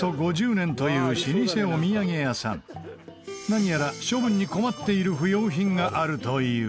何やら処分に困っている不要品があるという。